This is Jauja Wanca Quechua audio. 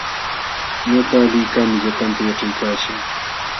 Ñawpaqlikaqmi llapanta yaćhaykaachin.